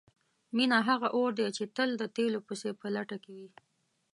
مینه هغه اور دی چې تل د تیلو پسې په لټه کې وي.